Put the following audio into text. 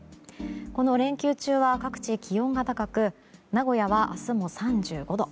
この連休中は各地気温が高く名古屋は明日も３５度。